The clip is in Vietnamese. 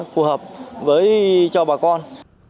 phù hợp với cho bà con